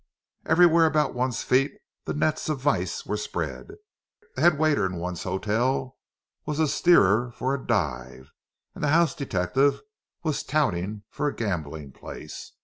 Everywhere about one's feet the nets of vice were spread. The head waiter in one's hotel was a "steerer" for a "dive," and the house detective was "touting" for a gambling place.